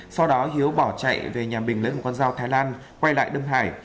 sau đó hiếu bỏ chạy về nhà mình lấy một con dao thái lan quay lại đâm hải